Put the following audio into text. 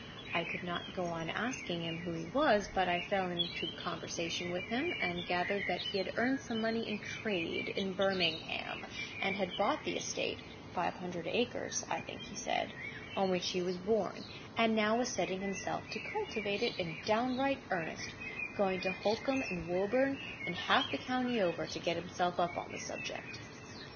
I could not go on asking him who he was; but I fell into conversation with him, and I gathered that he had earned some money in trade in Birmingham, and had bought the estate (five hundred acres, I think he said,) on which he was born, and now was setting himself to cultivate it in downright earnest, going to Holkham and Woburn, and half the country over, to get himself up on the subject."